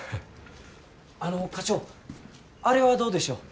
あの課長あれはどうでしょう。